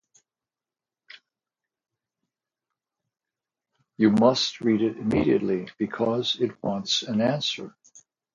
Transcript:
You must read it immediately, because it wants an answer.